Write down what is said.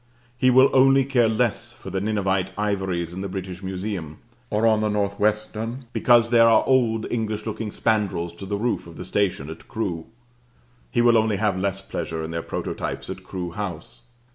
He will only care less for the Ninevite ivories in the British Museum: or on the North Western, because there are old English looking spandrils to the roof of the station at Crewe? He will only have less pleasure in their prototypes at Crewe House.